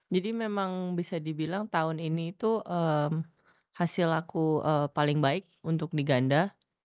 jadi memang bisa dibilang tahun ini itu hasil aku paling baik untuk di ganda